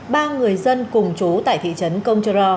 ba người dân cùng chú tại thị trấn công trơ ro